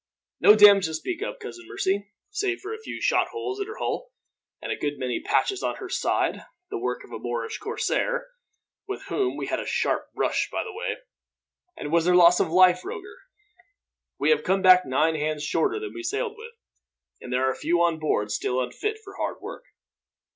"No damage to speak of, Cousin Mercy, save for a few shot holes in her hull, and a good many patches on her side the work of a Moorish corsair, with whom we had a sharp brush by the way." "And was there loss of life, Roger?" "We have come back nine hands shorter than we sailed with, and there are a few on board still unfit for hard work."